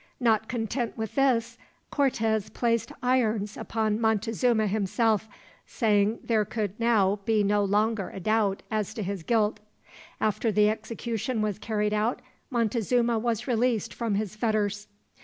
Not content with this, Cortez placed irons upon Montezuma himself, saying there could now be no longer a doubt as to his guilt. After the execution was carried out, Montezuma was released from his fetters.